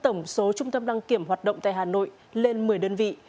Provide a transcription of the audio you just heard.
trong ngày hôm nay trung tâm đăng kiểm hoạt động tại hà nội lên một mươi đơn vị